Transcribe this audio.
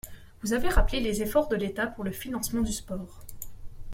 Vous avez rappelé les efforts de l’État pour le financement du sport.